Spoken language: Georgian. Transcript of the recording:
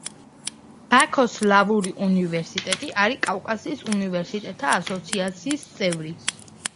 ბაქოს სლავური უნივერსიტეტი არის კავკასიის უნივერსიტეტთა ასოციაციის წევრი.